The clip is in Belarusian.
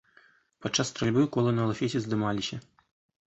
Падчас стральбы колы на лафеце здымаліся.